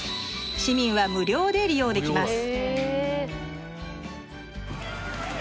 市民は無料で利用できます